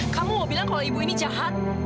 kamu mau bilang kalau ibu ini jahat